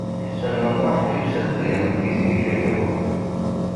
Ḥsen U Muḥ yusa-d ad yamen Tiziri Tagawawt.